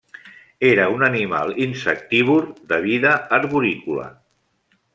Era un animal insectívor de vida arborícola.